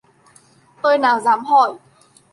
Tôi nào dám hỏi